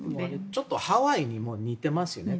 ちょっとハワイにも似てますね。